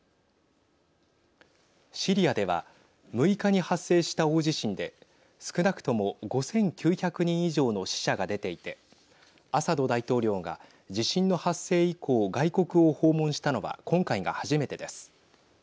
シリアでは６日に発生した大地震で少なくとも５９００人以上の死者が出ていてアサド大統領が地震の発生以降外国を訪問したのは今回が初めてです。